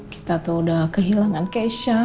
kita tuh udah kehilangan keisha